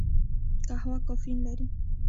قهوه کافین لري